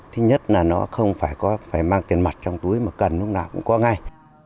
thứ nhất là nó không phải mang tiền mặt trong túi mà cần lúc nào cũng có ngay